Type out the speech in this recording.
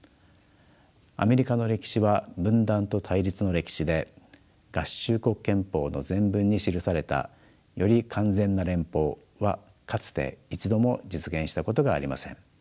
アメリカの歴史は分断と対立の歴史で合衆国憲法の前文に記された「より完全な連邦」はかつて一度も実現したことがありません。